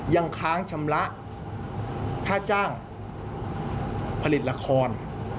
ยังค้างชำระค่าจ้างผลิตละคร